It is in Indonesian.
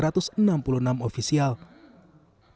jangan lupa like share dan subscribe ya